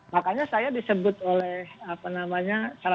makanya saya disebut oleh apa namanya